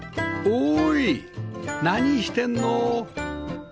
おい何してんの？